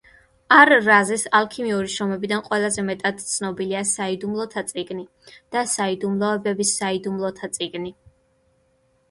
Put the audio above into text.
არ-რაზის ალქიმიური შრომებიდან ყველაზე მეტად ცნობილია „საიდუმლოთა წიგნი“ და „საიდუმლოების საიდუმლოთა წიგნი“.